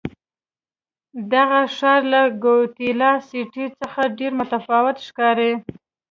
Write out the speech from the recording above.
دغه ښار له ګواتیلا سیټي څخه ډېر متفاوت ښکاري.